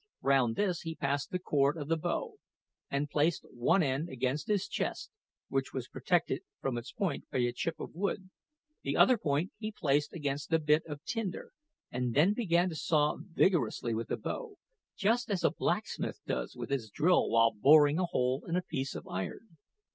Round this he passed the cord of the bow, and placed one end against his chest, which was protected from its point by a chip of wood; the other point he placed against the bit of tinder, and then began to saw vigorously with the bow, just as a blacksmith does with his drill while boring a hole in a piece of iron.